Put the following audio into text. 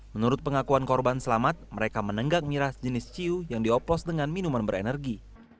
menurut pengakuan korban selamat mereka menenggak miras jenis ciu yang dioplos dengan minuman berenergi